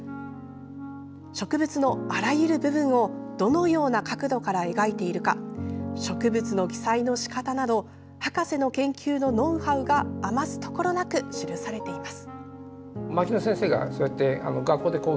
植物のあらゆる部分をどのような角度から描いているか植物の記載の仕方など博士の研究のノウハウがあますところなく記されています。